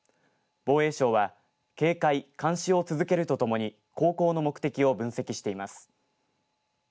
防衛省は警戒、監視を続けるとともに航行の目的を分析しています。